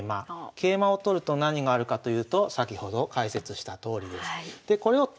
桂馬を取ると何があるかというと先ほど解説したとおりです。